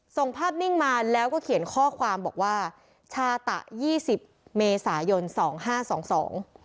ส่งภาพนิ่งมาแล้วก็เขียนข้อความบอกว่าชาตะยี่สิบเมษายนสองห้าสองสอง